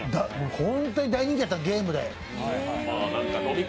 本当に大人気だった、ゲームで。